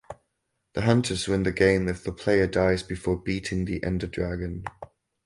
The hunters win the game if the player dies before beating the Ender Dragon.